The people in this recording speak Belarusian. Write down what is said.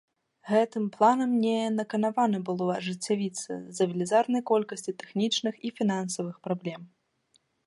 Гэтым планам не наканавана было ажыццявіцца з-за велізарнай колькасці тэхнічных і фінансавых праблем.